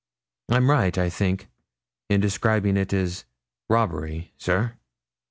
I'm right, I think, in describing it as robbery, sir?'